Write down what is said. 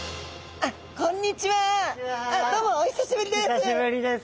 あっどうもお久しぶりです！